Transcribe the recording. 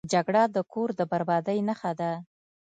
جګړه د کور د بربادۍ نښه ده